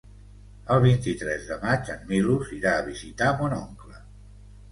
El vint-i-tres de maig en Milos irà a visitar mon oncle.